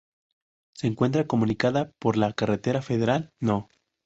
Se encuentra comunicada por la carretera federal No.